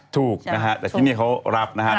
ถูกนะครับแต่ที่นี้เขารับนะครับ